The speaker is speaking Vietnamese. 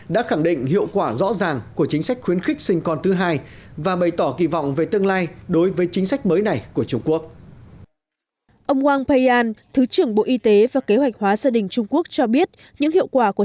sau quá trình thực thi chính sách mới trong hơn một năm qua